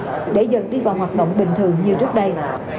để dần đi vào hoạt động bình thường như trước đây